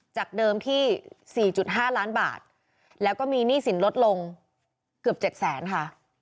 จากเดิมที่๔๕ล้านบาทแล้วก็มีหนี้สินลดลงเกือบ๗แสนค่ะ